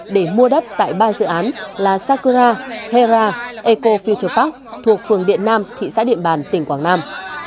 để mua đất tại ba dự án là sakura hera eco futupak thuộc phường điện nam thị xã điện bàn tỉnh quảng nam